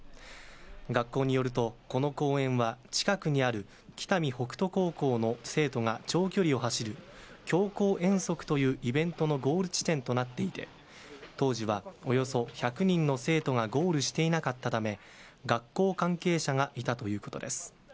学校によるとこの公園は近くにある北見北斗高校の生徒が長距離を走る強行遠足というイベントのゴール地点となっていて当時は、およそ１００人の生徒がゴールしていなかったため学校関係者がいたということです。